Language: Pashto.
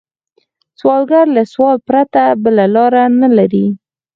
سوالګر له سوال پرته بله لار نه لري